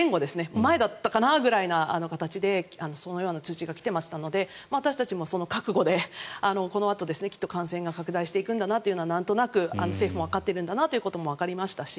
前だったかなぐらいな形でそのような通知が来ていましたので私たちもその覚悟でこのあと、きっと感染が拡大していくんだなというのはなんとなく政府はわかってるんだなということもわかりましたし